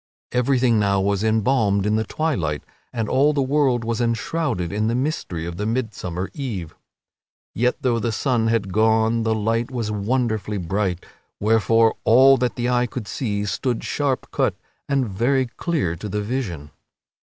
Everything now was embalmed in the twilight, and all the world was enshrouded in the mystery of the midsummer eve. Yet though the sun had gone the light was wonderfully bright, wherefore all that the eye could see stood sharp cut and very clear to the vision.